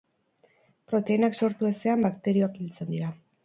Proteinak sortu ezean bakterioak hiltzen dira.